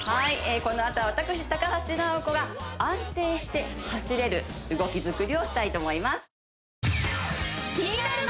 このあとは私高橋尚子が安定して走れる動きづくりをしたいと思います